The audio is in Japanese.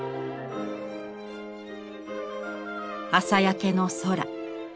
朝焼けの空。